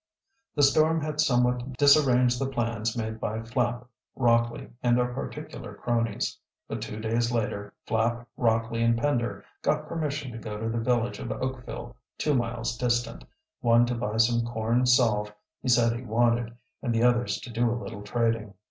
The storm had somewhat disarranged the plans made by Flapp, Rockley, and their particular cronies. But two days later Flapp, Rockley, and Pender got permission to go to the village of Oakville, two miles distant, one to buy some corn salve he said he wanted and the others to do a little trading.